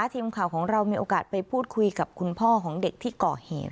ทีมข่าวของเรามีโอกาสไปพูดคุยกับคุณพ่อของเด็กที่ก่อเหตุ